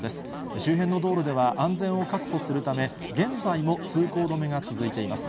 周辺の道路では、安全を確保するため、現在も通行止めが続いています。